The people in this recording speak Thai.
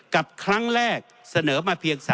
กับครั้งแรกเสนอมาเพียง๓